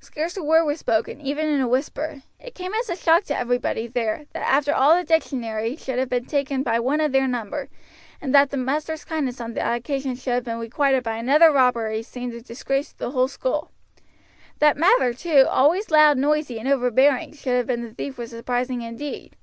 Scarce a word was spoken, even in a whisper. It came as a shock to everybody there, that after all the dictionary should have been taken by one of their number, and that the master's kindness on that occasion should have been requited by another robbery seemed a disgrace to the whole school. That Mather, too, always loud, noisy, and overbearing, should have been the thief was surprising indeed.